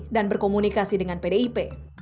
dan berkomunikasi dengan pdip